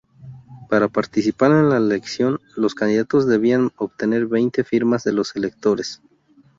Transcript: Para participar en la elección, los candidatos debían obtener veinte firmas de los electores.